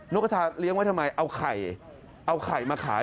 กระทาเลี้ยงไว้ทำไมเอาไข่เอาไข่มาขาย